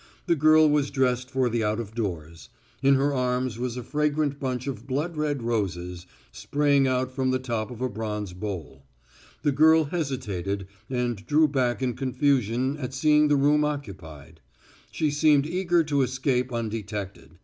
The girl was dressed for the out of doors; in her arms was a fragrant bunch of blood red roses, spraying out from the top of a bronze bowl. The girl hesitated and drew back in confusion at seeing the room occupied; she seemed eager to escape undetected.